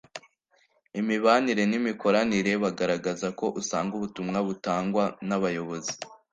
imibanire n imikoranire bagaragaza ko usanga ubutumwa butangwa n abayobozi